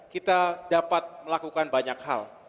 kita dapat melakukan banyak hal